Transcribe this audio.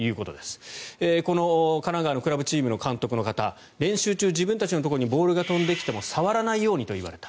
この神奈川のクラブチームの監督の方練習中、自分たちのところにボールが飛んできても触らないようにと言われた。